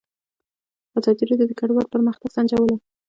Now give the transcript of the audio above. ازادي راډیو د کډوال پرمختګ سنجولی.